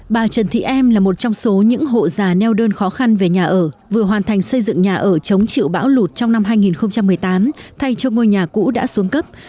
bà trần thị em là một trong số những hộ già neo đơn khó khăn về nhà ở vừa hoàn thành xây dựng nhà ở chống chịu bão lụt trong năm hai nghìn một mươi tám thay cho ngôi nhà cũ đã xuống cấp